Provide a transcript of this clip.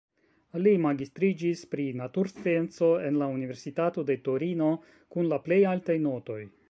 Li magistriĝis pri naturscienco en la universitato de Torino kun la plej altaj notoj.